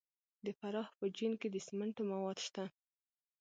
د فراه په جوین کې د سمنټو مواد شته.